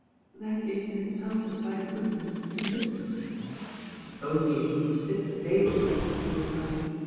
That IS in itself a sign of weakness, isn't it?" "Only if you persist in labels," Le repUed.